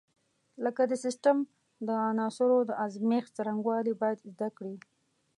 لکه د سیسټم د عناصرو د ازمېښت څرنګوالي باید زده کړي.